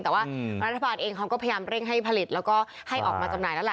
แต่ว่ารัฐบาลเองเขาก็พยายามเร่งให้ผลิตแล้วก็ให้ออกมาจำหน่ายแล้วล่ะ